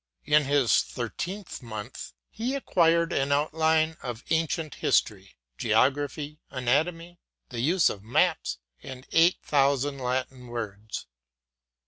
In his thirteenth month he acquired an outline of ancient listory, geography, anatomy, the use of maps, and eight thousand Latin words.